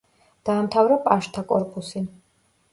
დაამთავრა პაჟთა კორპუსი.